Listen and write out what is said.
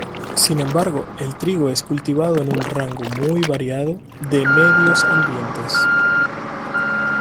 Sin embargo, el trigo es cultivado en un rango muy variado de medios ambientes.